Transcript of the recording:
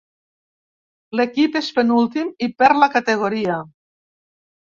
L'equip és penúltim i perd la categoria.